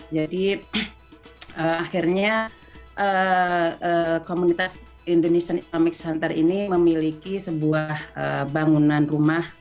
jadi akhirnya komunitas indonesian islamic center ini memiliki sebuah bangunan rumah